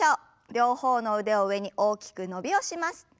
両方の腕を上に大きく伸びをします。